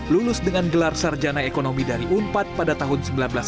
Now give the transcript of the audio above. lulus dengan gelar sarjana ekonomi dari unpad pada tahun seribu sembilan ratus sembilan puluh